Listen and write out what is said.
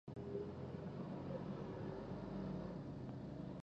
ایا ناشکري نه کوئ؟